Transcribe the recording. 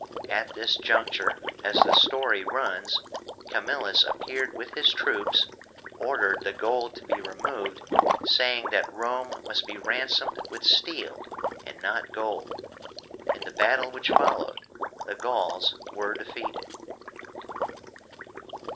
At this juncture, as the story runs, Camillus appeared with his troops, ordered the gold to be removed, saying that Rome must be ransomed with steel, and not gold. In the battle which followed, the Gauls were defeated.